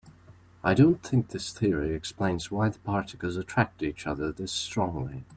I don't think this theory explains why the particles attract each other this strongly.